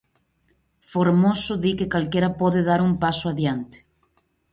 Formoso di que calquera pode dar un paso adiante.